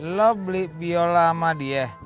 lo beli biola sama dia